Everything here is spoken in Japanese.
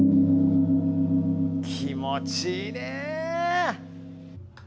気持ちいいね。